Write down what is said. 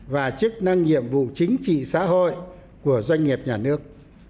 và chức năng nhiệm vụ chính trị xã hội của doanh nghiệp nhà nước